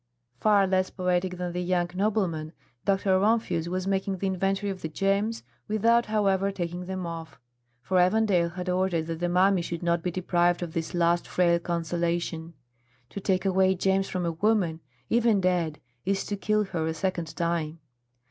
Far less poetic than the young nobleman, Dr. Rumphius was making the inventory of the gems, without, however, taking them off; for Evandale had ordered that the mummy should not be deprived of this last frail consolation. To take away gems from a woman, even dead, is to kill her a second time.